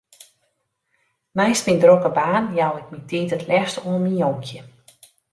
Neist myn drokke baan jou ik myn tiid it leafst oan myn jonkje.